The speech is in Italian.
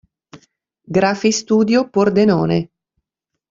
Graphistudio Pordenone.